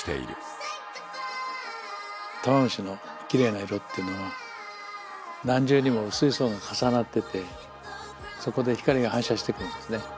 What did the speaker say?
玉虫のきれいな色っていうのは何重にも薄い層が重なっててそこで光が反射してくるんですね。